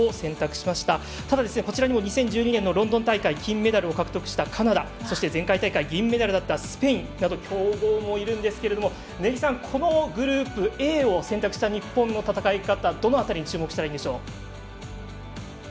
しかし、こちらにも２０１２年のロンドン大会金メダルを獲得したカナダ前回大会銀メダルだったスペインなど強豪もいるんですけど、根木さんこのグループＡを選択した日本の戦い方、どの辺りに注目したらいいんでしょう。